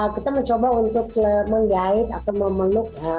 kita mencoba untuk menggait atau memeluk